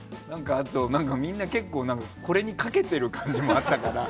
みんな結構、これにかけてる感じもあったから。